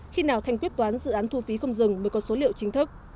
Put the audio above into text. khi nào thanh quyết toán dự án thu phí không dừng mới có số liệu chính thức